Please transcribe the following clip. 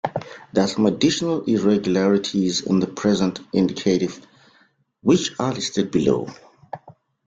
There are some additional irregularities in the present indicative, which are listed below.